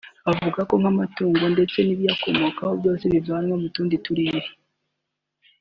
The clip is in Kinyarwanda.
Avuga ko nk’amatungo n’ibiyakomokaho ndetse n’imboga bivanwa mu tundi Turere